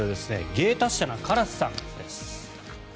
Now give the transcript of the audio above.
芸達者なカラスさんです。